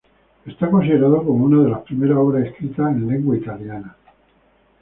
Es considerado como una de las primeras obras escritas en lengua italiana.